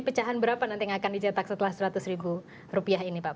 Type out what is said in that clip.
pecahan berapa nanti yang akan dicetak setelah rp seratus ini pak